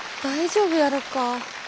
大丈夫やろか。